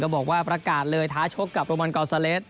บอกว่าประกาศเลยท้าชกกับโรมันกอลซาเลส